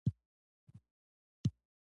ډرامه زموږ د راتلونکي هنداره ده